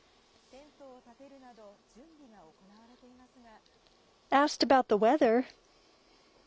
テントを立てるなど、準備が行われていますが。